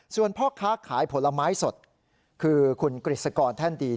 ส่วนพ่อค้าขายผลไม้สดคือคุณกฤษกรแท่นดี